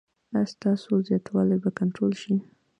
ایا ستاسو زیاتوالی به کنټرول شي؟